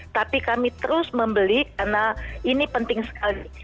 tapi kami terus membeli karena ini penting sekali